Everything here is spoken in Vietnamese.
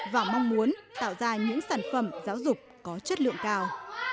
và mong muốn tạo ra những sản phẩm giáo dục có chất lượng cao